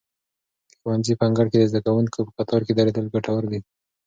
د ښوونځي په انګړ کې د زده کوونکو په کتار کې درېدل ګټور دي.